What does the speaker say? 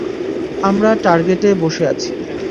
আমরা টার্গেটে বসে আছি।